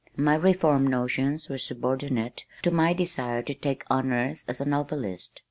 My reform notions were subordinate to my desire to take honors as a novelist.